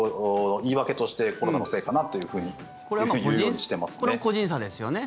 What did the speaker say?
言い訳としてコロナのせいかなというふうにこれは個人差ですよね？